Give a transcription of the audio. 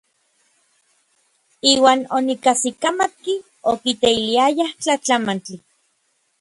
Iuan onikajsikamatki okiteiliayaj tlatlamantli.